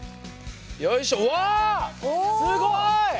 すごい！